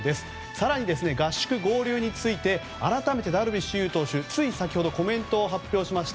更に合宿合流について改めてダルビッシュ有投手つい先ほどコメントを発表しました。